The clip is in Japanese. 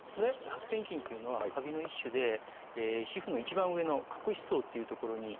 白癬菌っていうのはカビの一種で皮膚の一番上の角質層という所に住み着きます。